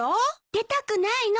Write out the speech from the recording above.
出たくないの？